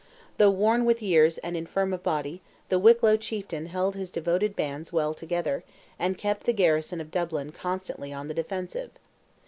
Though worn with years and infirm of body, the Wicklow chieftain held his devoted bands well together, and kept the garrison of Dublin constantly on the defensive.